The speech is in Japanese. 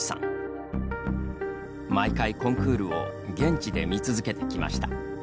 毎回、コンクールを現地で見続けてきました。